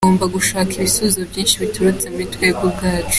Tugomba gushaka ibisubizo byinshi biturutse muri twebwe ubwacu.